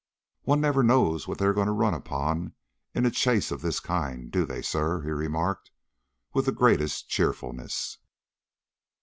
"One never knows what they are going to run upon in a chase of this kind, do they, sir?" he remarked, with the greatest cheerfulness.